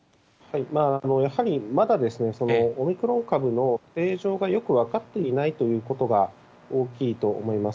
まだオミクロン株の形状がよく分かっていないということが大きいと思います。